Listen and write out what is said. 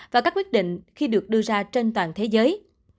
và các quyết định khi được đưa ra trên toàn thế giới